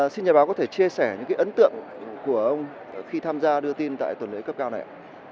xin nhà báo có thể chia sẻ những ấn tượng của ông khi tham gia đưa tin tại tuần lễ cấp cao này ạ